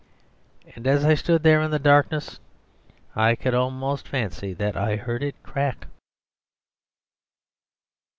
And as I stood there in the darkness I could almost fancy that I heard it crack.